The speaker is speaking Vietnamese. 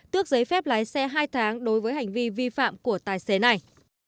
tước giấy phép lái xe hai tháng đối với hành vi vi phạm của tài xế này